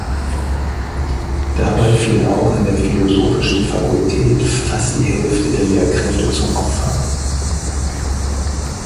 Dabei fiel auch an der philosophischen Fakultät, fast die Hälfte der Lehrkräfte zum Opfer.